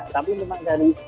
tapi memang dari